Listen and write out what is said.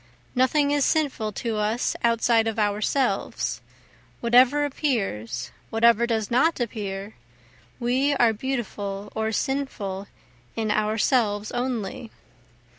Nothing is sinful to us outside of ourselves, Whatever appears, whatever does not appear, we are beautiful or sinful in ourselves only.